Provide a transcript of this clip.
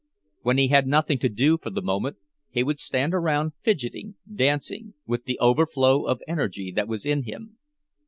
When he had nothing to do for the moment, he would stand round fidgeting, dancing, with the overflow of energy that was in him.